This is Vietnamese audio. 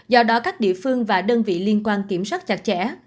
do đó các địa phương và đơn vị liên quan kiểm soát chặt chẽ